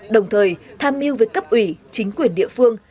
đồng thời tham mưu với cấp ủy chính quyền địa phương